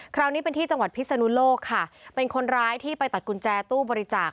คราวนี้เป็นที่จังหวัดพิศนุโลกค่ะเป็นคนร้ายที่ไปตัดกุญแจตู้บริจาค